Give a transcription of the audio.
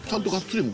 も